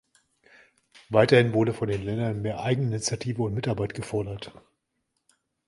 Weiterhin wurde von den Ländern mehr Eigeninitiative und Mitarbeit gefordert.